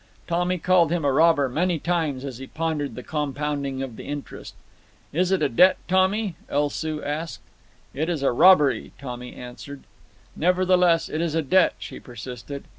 Tommy called him a robber many times as he pondered the compounding of the interest. "Is it a debt, Tommy?" El Soo asked. "It is a robbery," Tommy answered. "Nevertheless, it is a debt," she persisted.